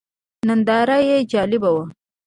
ننداره یې جالبه وه.